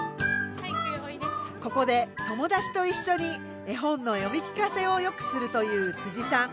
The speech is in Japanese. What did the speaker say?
ここで友達と一緒に絵本の読み聞かせをよくするというさん。